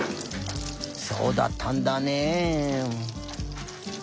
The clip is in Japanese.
そうだったんだね。